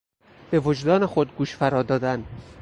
به وجدان خود گوش فرا دادن